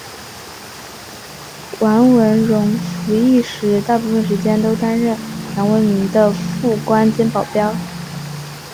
阮文戎服役时大部分时间都担任杨文明的副官兼保镖。